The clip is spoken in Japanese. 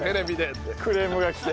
クレームが来て。